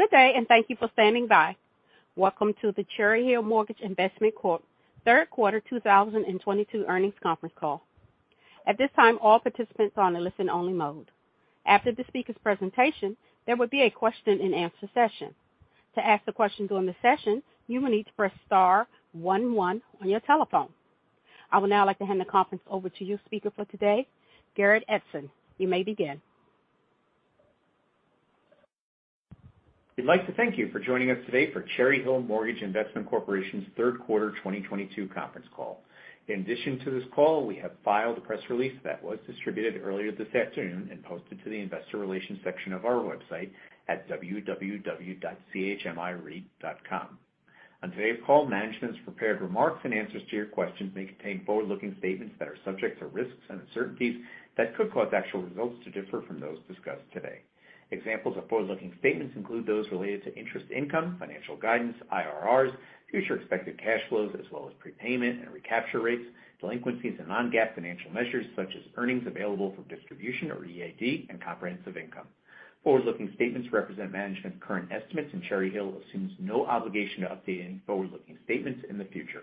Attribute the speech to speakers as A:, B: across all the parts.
A: Good day, and thank you for standing by. Welcome to the Cherry Hill Mortgage Investment Corporation third quarter 2022 earnings conference call. At this time, all participants are on a listen-only mode. After the speaker's presentation, there will be a question-and-answer session. To ask the question during the session, you will need to press star one one on your telephone. I would now like to hand the conference over to you, speaker for today, Garrett Edson. You may begin.
B: We'd like to thank you for joining us today for Cherry Hill Mortgage Investment Corporation's third quarter 2022 conference call. In addition to this call, we have filed a press release that was distributed earlier this afternoon and posted to the investor relations section of our website at www.chmireit.com. On today's call, management's prepared remarks and answers to your questions may contain forward-looking statements that are subject to risks and uncertainties that could cause actual results to differ from those discussed today. Examples of forward-looking statements include those related to interest income, financial guidance, IRRs, future expected cash flows, as well as prepayment and recapture rates, delinquencies and non-GAAP financial measures such as earnings available for distribution, or EAD, and comprehensive income. Forward-looking statements represent management's current estimates, and Cherry Hill assumes no obligation to updating forward-looking statements in the future.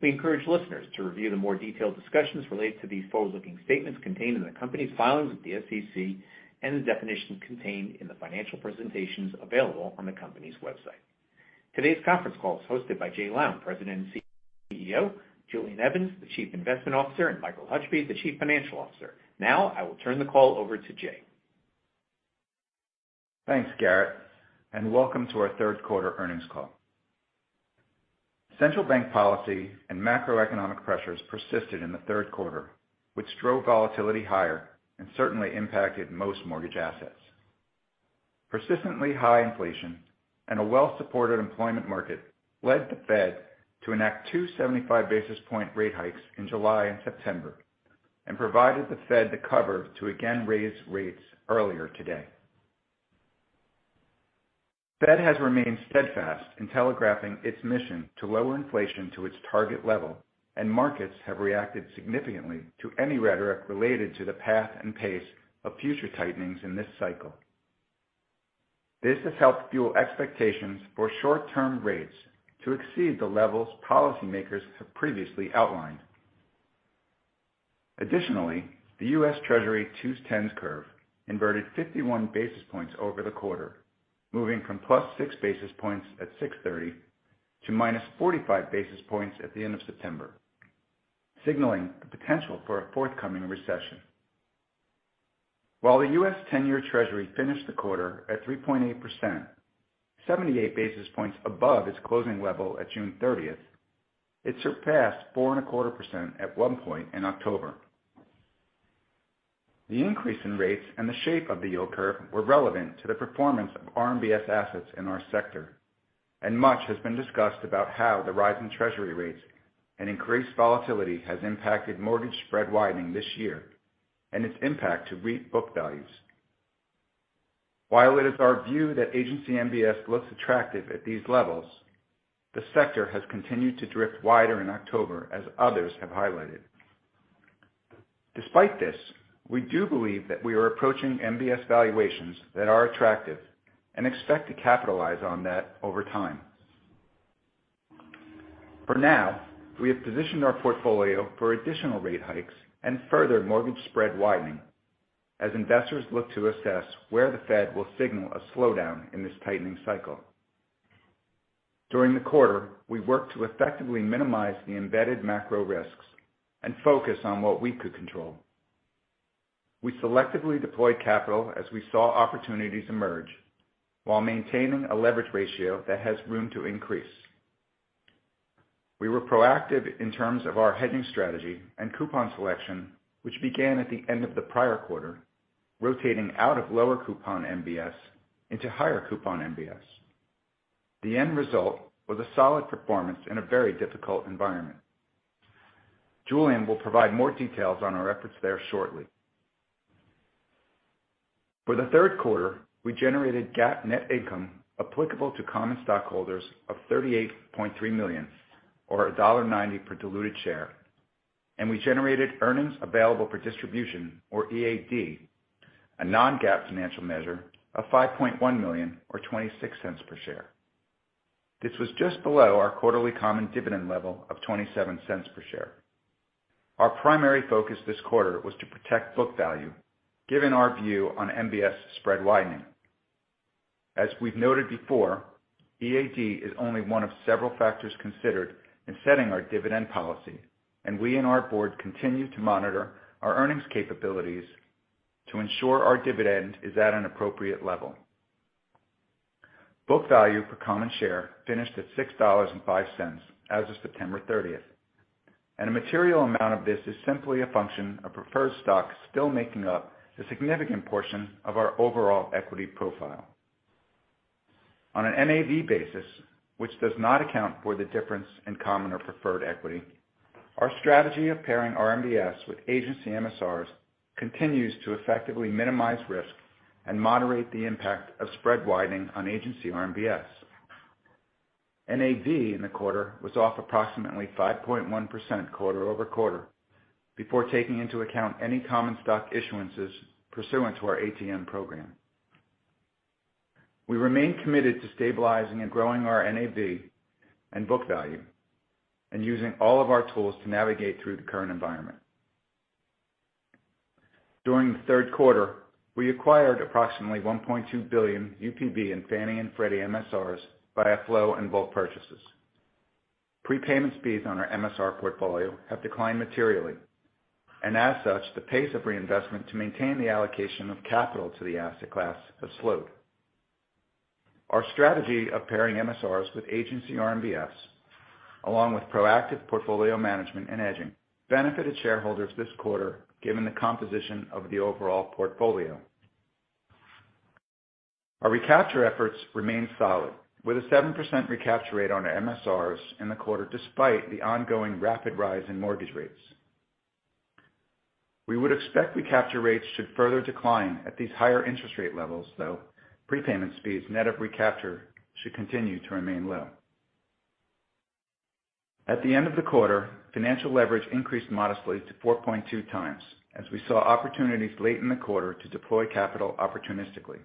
B: We encourage listeners to review the more detailed discussions related to these forward-looking statements contained in the company's filings with the SEC and the definitions contained in the financial presentations available on the company's website. Today's conference call is hosted by Jay Lown, President and CEO, Julian Evans, the Chief Investment Officer, and Michael Hutchby, the Chief Financial Officer. Now, I will turn the call over to Jay.
C: Thanks, Garrett, and welcome to our third quarter earnings call. Central bank policy and macroeconomic pressures persisted in the third quarter, which drove volatility higher and certainly impacted most mortgage assets. Persistently high inflation and a well-supported employment market led the Fed to enact 275 basis point rate hikes in July and September and provided the Fed the cover to again raise rates earlier today. Fed has remained steadfast in telegraphing its mission to lower inflation to its target level, and markets have reacted significantly to any rhetoric related to the path and pace of future tightenings in this cycle. This has helped fuel expectations for short-term rates to exceed the levels policymakers have previously outlined. Additionally, the U.S. Treasury two-10s curve inverted 51 basis points over the quarter, moving from +6 basis points at June 30 to -45 basis points at the end of September, signaling the potential for a forthcoming recession. While the U.S. 10-year Treasury finished the quarter at 3.8%, 78 basis points above its closing level at June 30th, it surpassed 4.25% at one point in October. The increase in rates and the shape of the yield curve were relevant to the performance of RMBS assets in our sector, and much has been discussed about how the rise in Treasury rates and increased volatility has impacted mortgage spread widening this year and its impact to REIT book values. While it is our view that Agency MBS looks attractive at these levels, the sector has continued to drift wider in October as others have highlighted. Despite this, we do believe that we are approaching MBS valuations that are attractive and expect to capitalize on that over time. For now, we have positioned our portfolio for additional rate hikes and further mortgage spread widening as investors look to assess where the Fed will signal a slowdown in this tightening cycle. During the quarter, we worked to effectively minimize the embedded macro risks and focus on what we could control. We selectively deployed capital as we saw opportunities emerge while maintaining a leverage ratio that has room to increase. We were proactive in terms of our hedging strategy and coupon selection, which began at the end of the prior quarter, rotating out of lower coupon MBS into higher coupon MBS. The end result was a solid performance in a very difficult environment. Julian will provide more details on our efforts there shortly. For the third quarter, we generated GAAP net income applicable to common stockholders of $38.3 million or $1.90 per diluted share, and we generated earnings available for distribution, or EAD, a non-GAAP financial measure of $5.1 million or $0.26 per share. This was just below our quarterly common dividend level of $0.27 per share. Our primary focus this quarter was to protect book value given our view on MBS spread widening. As we've noted before, EAD is only one of several factors considered in setting our dividend policy, and we and our board continue to monitor our earnings capabilities to ensure our dividend is at an appropriate level. Book value per common share finished at $6.05 as of September 30, and a material amount of this is simply a function of preferred stock still making up a significant portion of our overall equity profile. On an NAV basis, which does not account for the difference in common or preferred equity, our strategy of pairing RMBS with agency MSRs continues to effectively minimize risk and moderate the impact of spread widening on agency RMBS. NAV in the quarter was off approximately 5.1% QoQ before taking into account any common stock issuances pursuant to our ATM program. We remain committed to stabilizing and growing our NAV and book value and using all of our tools to navigate through the current environment. During the third quarter, we acquired approximately $1.2 billion UPB in Fannie and Freddie MSRs by flow and bulk purchases. Prepayment speeds on our MSR portfolio have declined materially, and as such, the pace of reinvestment to maintain the allocation of capital to the asset class has slowed. Our strategy of pairing MSRs with agency RMBS, along with proactive portfolio management and hedging, benefited shareholders this quarter given the composition of the overall portfolio. Our recapture efforts remain solid, with a 7% recapture rate on MSRs in the quarter despite the ongoing rapid rise in mortgage rates. We would expect recapture rates to further decline at these higher interest rate levels, though prepayment speeds net of recapture should continue to remain low. At the end of the quarter, financial leverage increased modestly to 4.2x as we saw opportunities late in the quarter to deploy capital opportunistically.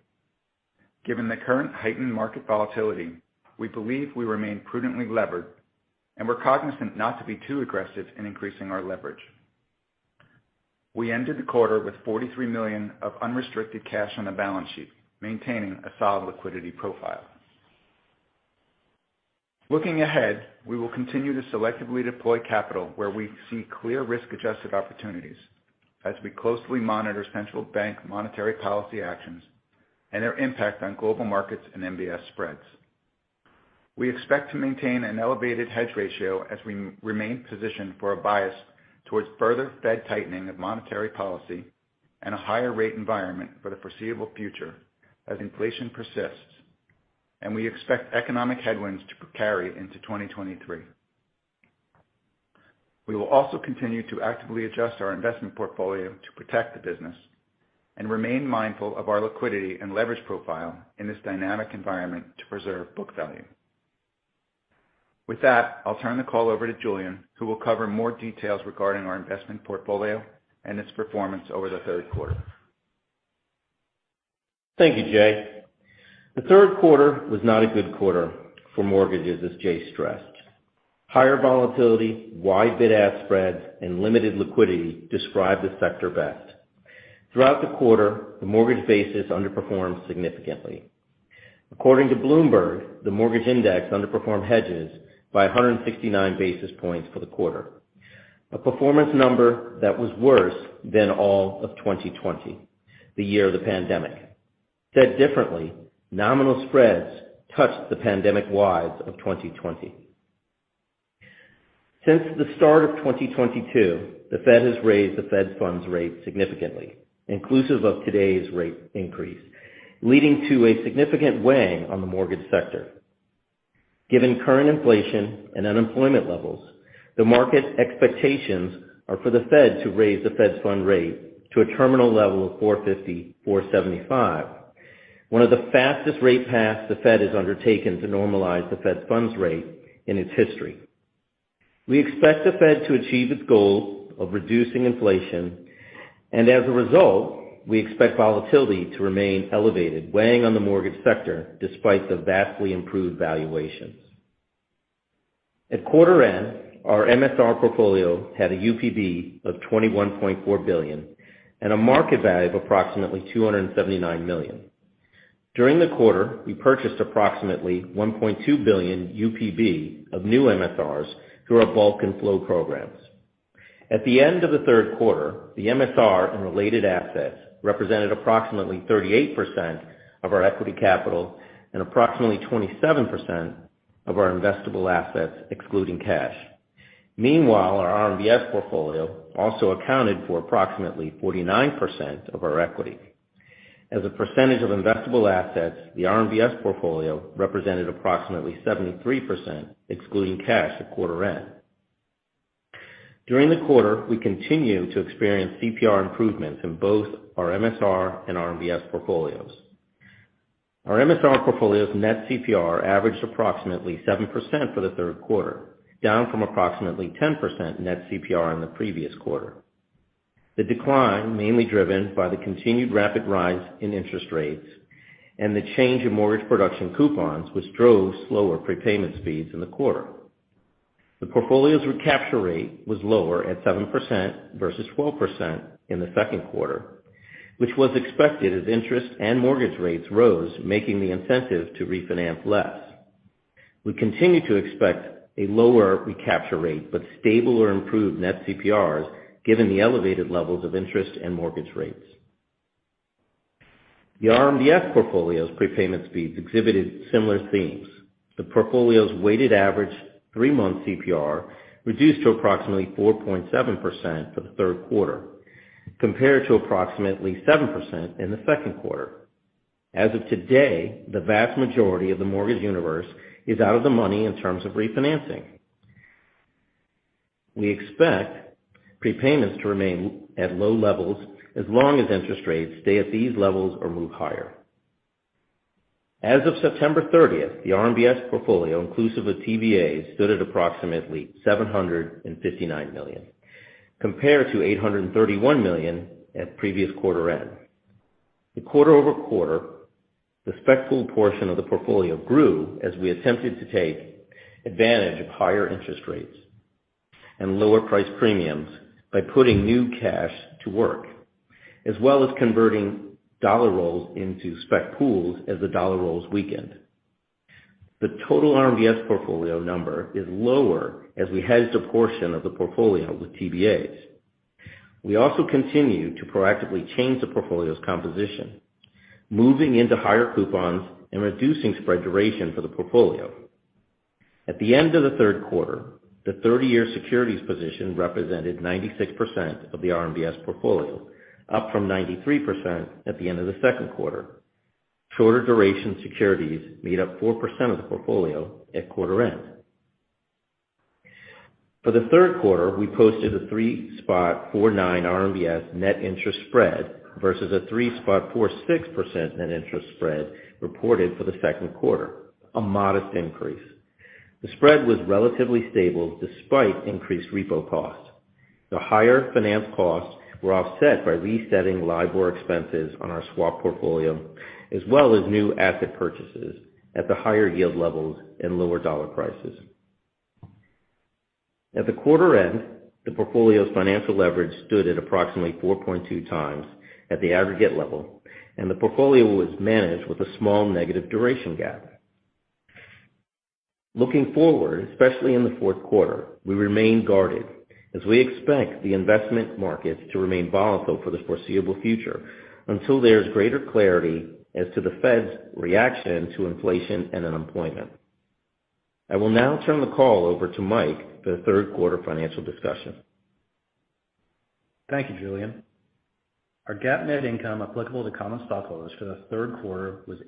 C: Given the current heightened market volatility, we believe we remain prudently levered, and we're cognizant not to be too aggressive in increasing our leverage. We ended the quarter with $43 million of unrestricted cash on the balance sheet, maintaining a solid liquidity profile. Looking ahead, we will continue to selectively deploy capital where we see clear risk-adjusted opportunities as we closely monitor central bank monetary policy actions and their impact on global markets and MBS spreads. We expect to maintain an elevated hedge ratio as we remain positioned for a bias towards further Fed tightening of monetary policy and a higher rate environment for the foreseeable future as inflation persists, and we expect economic headwinds to carry into 2023. We will also continue to actively adjust our investment portfolio to protect the business and remain mindful of our liquidity and leverage profile in this dynamic environment to preserve book value. With that, I'll turn the call over to Julian, who will cover more details regarding our investment portfolio and its performance over the third quarter.
D: Thank you, Jay. The third quarter was not a good quarter for mortgages, as Jay stressed. Higher volatility, wide bid-ask spreads, and limited liquidity describe the sector best. Throughout the quarter, the mortgage basis underperformed significantly. According to Bloomberg, the mortgage index underperformed hedges by 169 basis points for the quarter, a performance number that was worse than all of 2020, the year of the pandemic. Said differently, nominal spreads touched the pandemic wides of 2020. Since the start of 2022, the Fed has raised the Fed funds rate significantly, inclusive of today's rate increase, leading to a significant weighing on the mortgage sector. Given current inflation and unemployment levels, the market expectations are for the Fed to raise the Fed fund rate to a terminal level of 4.50%-4.75%, one of the fastest rate paths the Fed has undertaken to normalize the Fed funds rate in its history. We expect the Fed to achieve its goal of reducing inflation, and as a result, we expect volatility to remain elevated, weighing on the mortgage sector despite the vastly improved valuations. At quarter end, our MSR portfolio had a UPB of $21.4 billion and a market value of approximately $279 million. During the quarter, we purchased approximately $1.2 billion UPB of new MSRs through our bulk and flow programs. At the end of the third quarter, the MSR and related assets represented approximately 38% of our equity capital and approximately 27% of our investable assets excluding cash. Meanwhile, our RMBS portfolio also accounted for approximately 49% of our equity. As a percentage of investable assets, the RMBS portfolio represented approximately 73% excluding cash at quarter end. During the quarter, we continued to experience CPR improvements in both our MSR and RMBS portfolios. Our MSR portfolio's net CPR averaged approximately 7% for the third quarter, down from approximately 10% net CPR in the previous quarter. The decline mainly driven by the continued rapid rise in interest rates and the change in mortgage production coupons, which drove slower prepayment speeds in the quarter. The portfolio's recapture rate was lower at 7% versus 12% in the second quarter, which was expected as interest and mortgage rates rose, making the incentive to refinance less. We continue to expect a lower recapture rate, but stable or improved net CPRs given the elevated levels of interest and mortgage rates. The RMBS portfolio's prepayment speeds exhibited similar themes. The portfolio's weighted average three-month CPR reduced to approximately 4.7% for the third quarter compared to approximately 7% in the second quarter. As of today, the vast majority of the mortgage universe is out of the money in terms of refinancing. We expect prepayments to remain at low levels as long as interest rates stay at these levels or move higher. As of September 30, the RMBS portfolio inclusive of TBAs stood at approximately $759 million, compared to $831 million at previous quarter end. QoQ, the spec pool portion of the portfolio grew as we attempted to take advantage of higher interest rates and lower price premiums by putting new cash to work, as well as converting dollar rolls into spec pools as the dollar rolls weakened. The total RMBS portfolio number is lower as we hedged a portion of the portfolio with TBAs. We also continue to proactively change the portfolio's composition, moving into higher coupons and reducing spread duration for the portfolio. At the end of the third quarter, the 30-year securities position represented 96% of the RMBS portfolio, up from 93% at the end of the second quarter. Shorter duration securities made up 4% of the portfolio at quarter end. For the third quarter, we posted a 3.49% RMBS net interest spread versus a 3.46% net interest spread reported for the second quarter, a modest increase. The spread was relatively stable despite increased repo costs. The higher finance costs were offset by resetting LIBOR expenses on our swap portfolio, as well as new asset purchases at the higher yield levels and lower dollar prices. At the quarter end, the portfolio's financial leverage stood at approximately 4.2x at the aggregate level, and the portfolio was managed with a small negative duration gap. Looking forward, especially in the fourth quarter, we remain guarded as we expect the investment market to remain volatile for the foreseeable future until there's greater clarity as to the Fed's reaction to inflation and unemployment. I will now turn the call over to Mike for the third quarter financial discussion.
E: Thank you, Julian. Our GAAP net income applicable to common stockholders for the third quarter was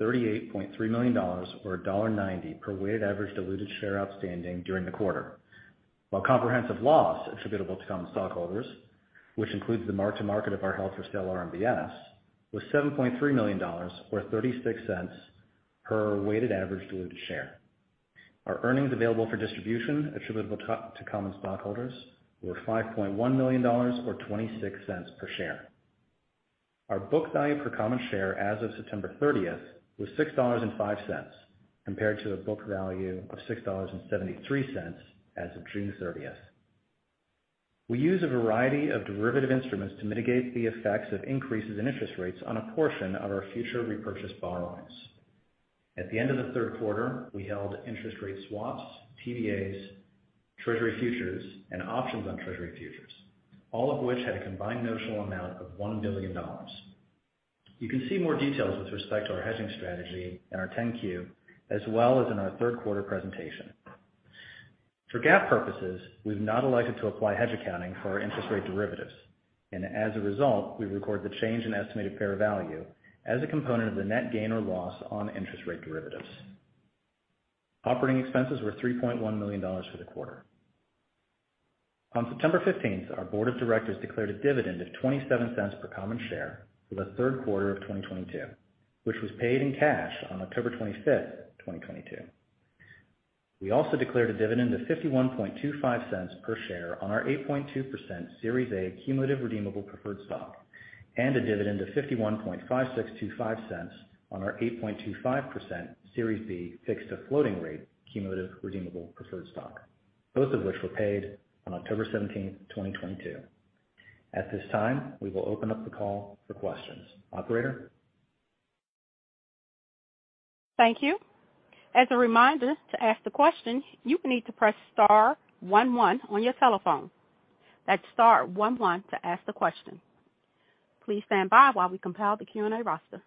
E: $38.3 million or $1.90 per weighted average diluted share outstanding during the quarter. While comprehensive loss attributable to common stockholders, which includes the mark to market of our held for sale RMBS, was $7.3 million or $0.36 per weighted average diluted share. Our earnings available for distribution attributable to common stockholders were $5.1 million or $0.26 per share. Our book value per common share as of September 30th was $6.05 compared to a book value of $6.73 as of June 30th. We use a variety of derivative instruments to mitigate the effects of increases in interest rates on a portion of our future repurchase borrowings. At the end of the third quarter, we held interest rate swaps, TBAs, Treasury futures, and options on Treasury futures, all of which had a combined notional amount of $1 billion. You can see more details with respect to our hedging strategy in our 10-Q as well as in our third quarter presentation. For GAAP purposes, we've not elected to apply hedge accounting for our interest rate derivatives, and as a result, we record the change in estimated fair value as a component of the net gain or loss on interest rate derivatives. Operating expenses were $3.1 million for the quarter. On September 15th, our board of directors declared a dividend of $0.27 per common share for the third quarter of 2022, which was paid in cash on October 25, 2022. We also declared a dividend of $0.5125 per share on our 8.2% Series A Cumulative Redeemable Preferred Stock, and a dividend of $0.515625 per share on our 8.25% Series B Fixed-to-Floating Rate Cumulative Redeemable Preferred Stock, both of which were paid on October 17, 2022. At this time, we will open up the call for questions. Operator?
A: Thank you. As a reminder, to ask the question, you will need to press star one one on your telephone. That's star one one to ask the question. Please stand by while we compile the Q&A roster.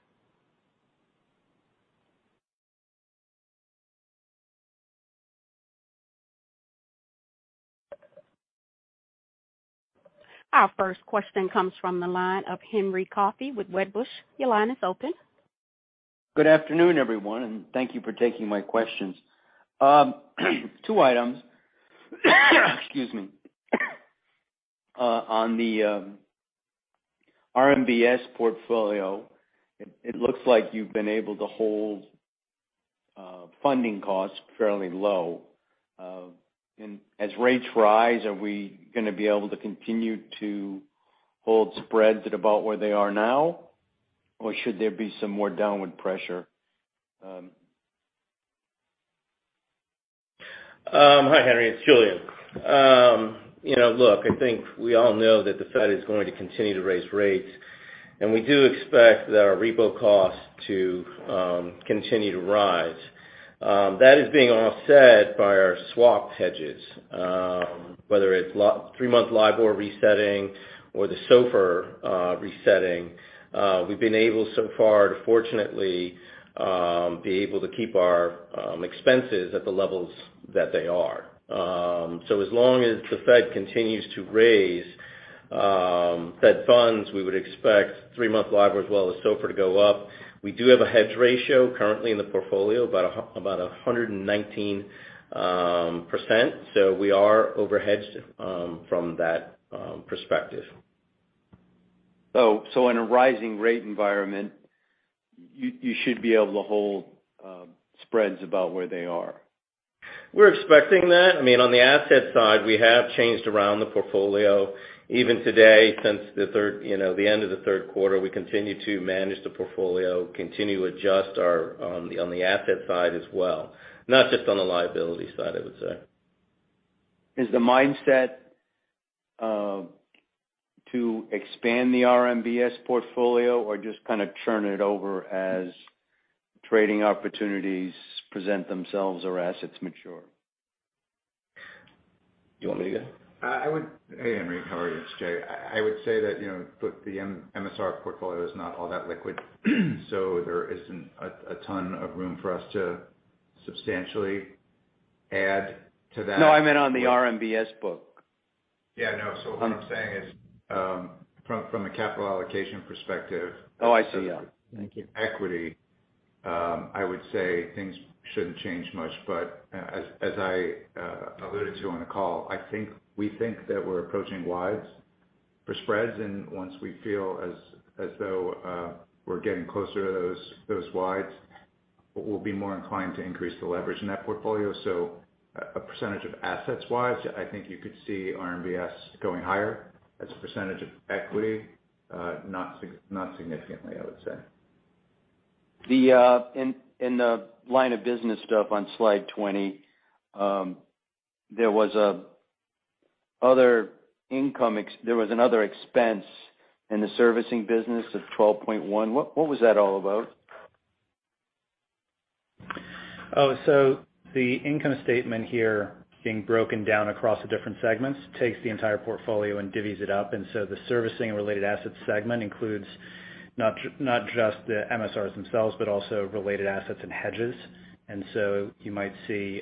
A: Our first question comes from the line of Henry Coffey with Wedbush. Your line is open.
F: Good afternoon, everyone, and thank you for taking my questions. Two items. Excuse me. On the RMBS portfolio, it looks like you've been able to hold funding costs fairly low. As rates rise, are we gonna be able to continue to hold spreads at about where they are now? Or should there be some more downward pressure?
D: Hi, Henry, it's Julian. You know, look, I think we all know that the Fed is going to continue to raise rates, and we do expect that our repo costs to continue to rise. That is being offset by our swap hedges, whether it's three-month LIBOR resetting or the SOFR resetting. We've been able so far to fortunately be able to keep our expenses at the levels that they are. So as long as the Fed continues to raise Fed funds, we would expect three-month LIBOR as well as SOFR to go up. We do have a hedge ratio currently in the portfolio, about 119%. We are overhedged from that perspective.
F: In a rising rate environment, you should be able to hold spreads about where they are.
D: We're expecting that. I mean, on the asset side, we have changed around the portfolio. Even today, since the third, you know, the end of the third quarter, we continue to manage the portfolio, continue to adjust our on the asset side as well, not just on the liability side, I would say.
F: Is the mindset, to expand the RMBS portfolio or just kinda churn it over as trading opportunities present themselves or assets mature?
D: You want me to go?
C: Hey, Henry. How are you? It's Jay. I would say that, you know, look, the MSR portfolio is not all that liquid. So there isn't a ton of room for us to substantially add to that.
F: No, I meant on the RMBS book.
C: Yeah. No. What I'm saying is, from a capital allocation perspective.
F: Oh, I see. Yeah. Thank you.
C: ...equity, I would say things shouldn't change much. As I alluded to on the call, I think we think that we're approaching wides for spreads, and once we feel as though we're getting closer to those wides, we'll be more inclined to increase the leverage in that portfolio. A percentage of assets wise, I think you could see RMBS going higher. As a percentage of equity, not significantly, I would say.
F: In the line of business stuff on slide 20, there was another expense in the servicing business of $12.1. What was that all about?
E: Oh, the income statement here being broken down across the different segments takes the entire portfolio and divvies it up. The servicing and related assets segment includes not just the MSRs themselves but also related assets and hedges. You might see,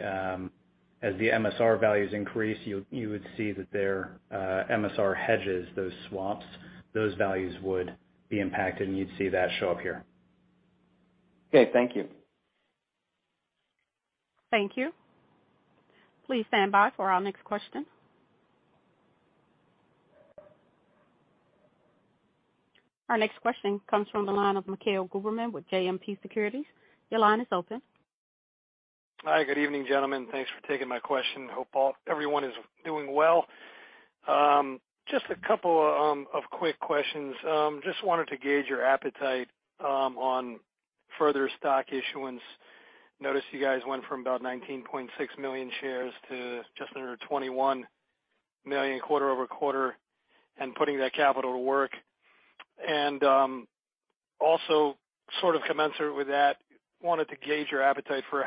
E: as the MSR values increase, you would see that their MSR hedges, those swaps, those values would be impacted, and you'd see that show up here.
F: Okay. Thank you.
A: Thank you. Please stand by for our next question. Our next question comes from the line of Mikhail Goberman with JMP Securities. Your line is open.
G: Hi, good evening, gentlemen. Thanks for taking my question. Hope all, everyone is doing well. Just a couple of quick questions. Just wanted to gauge your appetite on further stock issuance. Noticed you guys went from about 19.6 million shares to just under 21 million QoQ and putting that capital to work. Also sort of commensurate with that, wanted to gauge your appetite for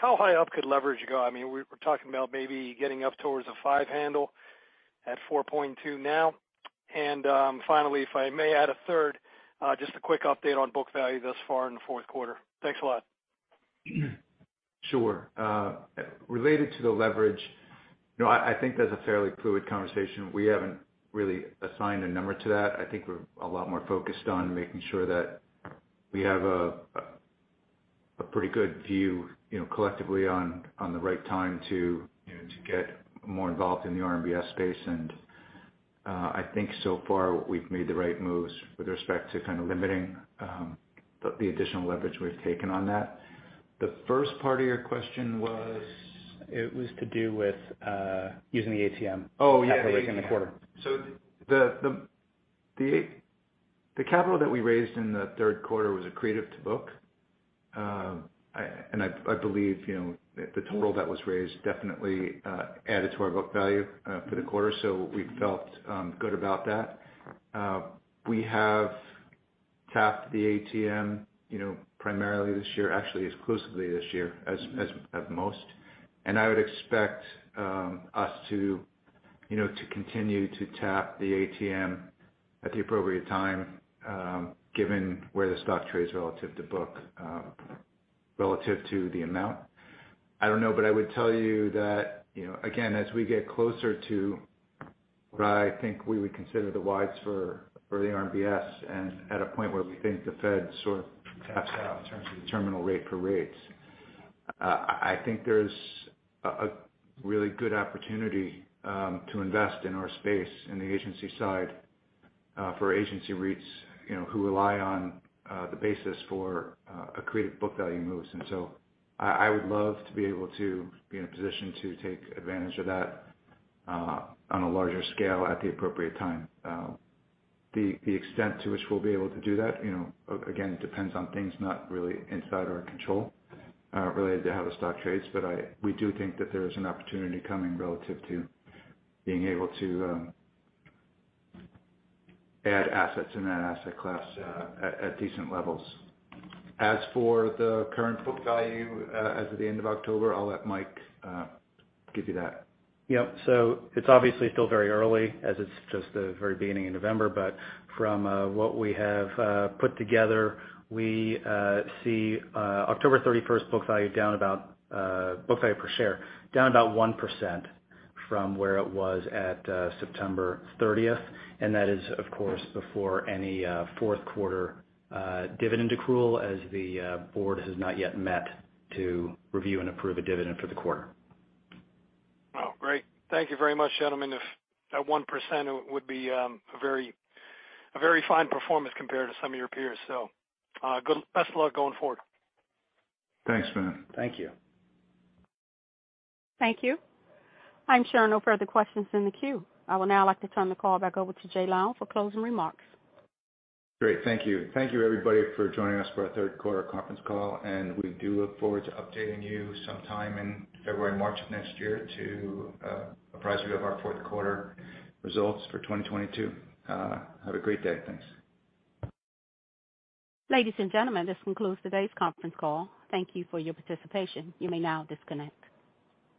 G: how high up could leverage go. I mean, we're talking about maybe getting up towards a five handle at 4.2 now. Finally, if I may add a third, just a quick update on book value thus far in the fourth quarter. Thanks a lot.
C: Sure. Related to the leverage, you know, I think that's a fairly fluid conversation. We haven't really assigned a number to that. I think we're a lot more focused on making sure that we have a pretty good view, you know, collectively on the right time to, you know, to get more involved in the RMBS space. I think so far we've made the right moves with respect to kind of limiting the additional leverage we've taken on that. The first part of your question was?
E: It was to do with using the ATM-
C: Oh, yeah, yeah.
E: -at the rate in the quarter.
C: The capital that we raised in the third quarter was accretive to book. I believe, you know, the total that was raised definitely added to our book value for the quarter. We felt good about that. We have tapped the ATM, you know, primarily this year, actually exclusively this year, as at most. I would expect us to, you know, to continue to tap the ATM at the appropriate time, given where the stock trades relative to book, relative to the amount. I don't know, but I would tell you that, you know, again, as we get closer to what I think we would consider the wides for the RMBS and at a point where we think the Fed sort of taps out in terms of the terminal rate for rates. I think there's a really good opportunity to invest in our space in the agency side for agency REITs, you know, who rely on the basis for accretive book value moves. I would love to be able to be in a position to take advantage of that on a larger scale at the appropriate time. The extent to which we'll be able to do that, you know, again, depends on things not really inside our control related to how the stock trades. We do think that there is an opportunity coming relative to being able to add assets in that asset class at decent levels. As for the current book value as of the end of October, I'll let Mike give you that.
E: Yep. It's obviously still very early as it's just the very beginning of November. From what we have put together, we see October 31st book value per share down about 1% from where it was at September 30th. That is, of course, before any fourth quarter dividend accrual as the board has not yet met to review and approve a dividend for the quarter.
G: Oh, great. Thank you very much, gentlemen. If that 1% would be a very fine performance compared to some of your peers. Best of luck going forward.
C: Thanks, man.
E: Thank you.
A: Thank you. I'm showing no further questions in the queue. I would now like to turn the call back over to Jay Lown for closing remarks.
C: Great. Thank you. Thank you, everybody, for joining us for our third quarter conference call. We do look forward to updating you sometime in February, March of next year to apprise you of our fourth quarter results for 2022. Have a great day. Thanks.
A: Ladies and gentlemen, this concludes today's conference call. Thank you for your participation. You may now disconnect.